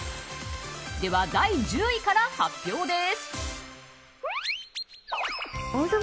では、第１０位から発表です。